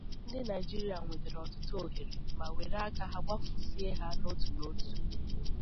ndị Naịjirịa nwetara ọtụtụ ohere ma were aka ha gbafusie ha niile n'otu n'otu